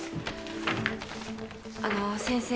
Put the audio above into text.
あの先生。